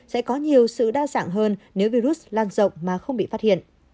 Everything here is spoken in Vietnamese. sẽ có nhiều sự đa dạng hơn nếu virus lan rộng mà không bị phát hiện